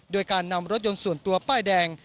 โดยการนำรถยนต์ส่วนตัวป้ายแดง